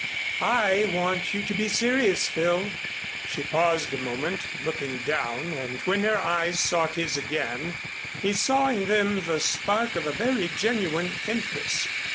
I want you to be serious, Phil." She paused a moment, looking down, and when her eyes sought his again he saw in them the spark of a very genuine interest.